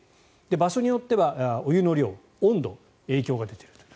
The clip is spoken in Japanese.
場所によってはお湯の量、温度影響が出ているという。